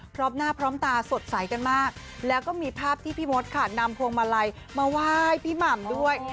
พร้อมหน้าพร้อมตาสดใสกันมากแล้วก็มีภาพที่พี่มดค่ะนำพวงมาลัยมาไหว้พี่หม่ำด้วย